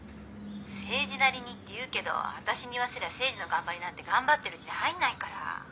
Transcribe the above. ☎誠治なりにって言うけどわたしに言わせりゃ誠治の頑張りなんて頑張ってるうちに入んないから。